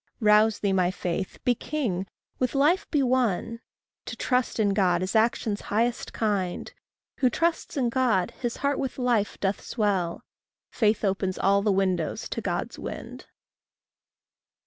Rouse thee, my faith; be king; with life be one; To trust in God is action's highest kind; Who trusts in God, his heart with life doth swell; Faith opens all the windows to God's wind.